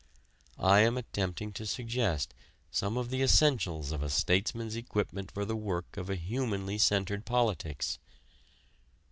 I am attempting to suggest some of the essentials of a statesman's equipment for the work of a humanly centered politics.